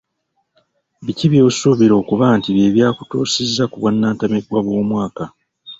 Biki by'osuubira okuba nti bye byakutuusizza ku bwannantameggwa bw'omwaka?